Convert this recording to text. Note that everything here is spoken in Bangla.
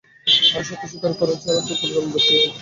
আরে সত্য স্বীকার করা ছাড়, এবং তোর পরিকল্পনাও ভেস্তে গেছে।